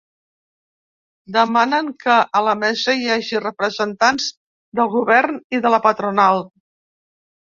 Demanen que a la mesa hi hagi representants del govern i de la patronal.